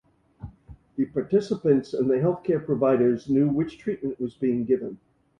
The participants and the health care providers knew which treatment was being given.